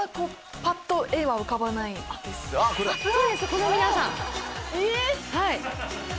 この皆さん。